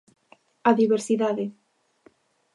A diversidade.